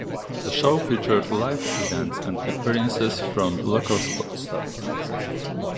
The show featured live events and appearances from local sports stars.